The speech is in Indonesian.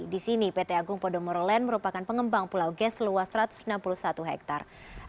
di sini pt agung podomoro land merupakan pengembang pulau gas seluas satu ratus enam puluh satu hektare